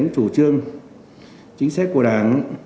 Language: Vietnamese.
chủ trương chính sách của đảng